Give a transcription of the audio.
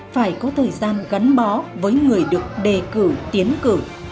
phải có thời gian gắn bó với người được đề cử tiến cử